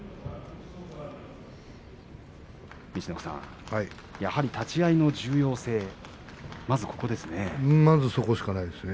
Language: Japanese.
陸奥さん、やはり立ち合いの重要性ここですね。